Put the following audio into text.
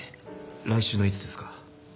来週のいつですか？